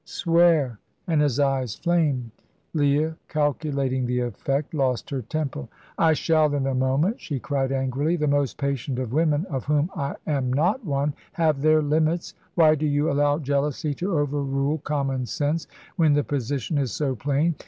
Swear!" and his eyes flamed. Leah, calculating the effect, lost her temper. "I shall in a moment," she cried angrily. "The most patient of women of whom I am not one have their limits. Why do you allow jealousy to overrule common sense, when the position is so plain?